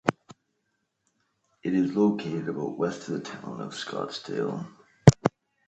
It is located about west of the town of Scottsdale.